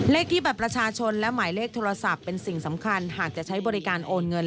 เลขที่บัตรประชาชนและหมายเลขโทรศัพท์เป็นสิ่งสำคัญหากจะใช้บริการโอนเงิน